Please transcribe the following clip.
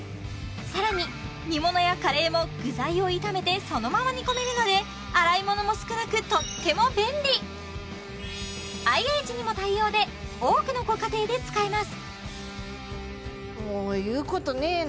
さらに煮物やカレーも具材を炒めてそのまま煮込めるので洗い物も少なくとっても便利ＩＨにも対応で多くのご家庭で使えますいや